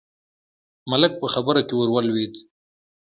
ملک په خبره کې ور ولوېد: